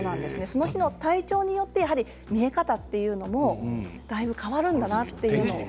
その日の体調によって見え方というのもだいぶ変わるんだなと。